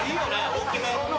大きめの。